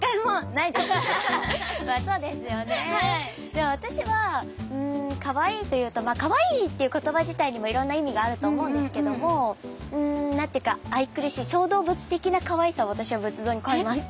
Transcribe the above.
でも私はかわいいというとかわいいっていう言葉自体にもいろんな意味があると思うんですけども何て言うか愛くるしい小動物的なかわいさを私は仏像に感じます。